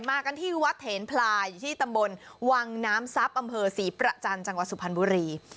มากันที่วัดเถนพลายอยู่ที่ตำบลวังน้ำทรัพย์อำเภอศรีประจันทร์จังหวัดสุพรรณบุรี